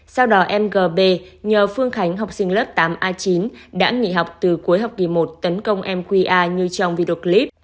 sau đó mgb nhờ phương khánh học sinh lớp tám a chín đã nghỉ học từ cuối học kỳ một tấn công mqa như trong video clip